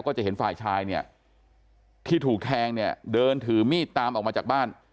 ก็จะเห็นฝ่ายชายที่ถูกแทงเดินถือมีดตามออกมาจากบ้าน